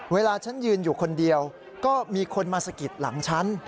เวลาฉันยืนอยู่คนเดียวก็มีคนมาสะกิดหลังฉัน